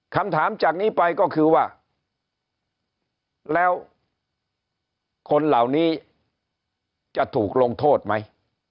คำถามจากนี้ไปก็คือว่าแล้วคนเหล่านี้จะถูกลงโทษไหม